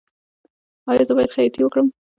ایا زه باید خیاطۍ وکړم؟